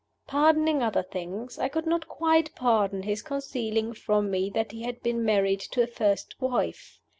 Pardoning other things, I could not quite pardon his concealing from me that he had been married to a first wife.